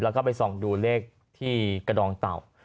แล้วก็ไปส่องดูเลขที่กระดองเต่า